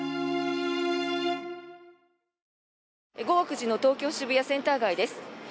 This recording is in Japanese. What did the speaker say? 午後９時の東京・渋谷センター街です。